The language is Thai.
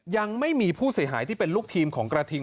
ยังไม่มีผู้เสียหายที่เป็นลูกทีมของกระทิง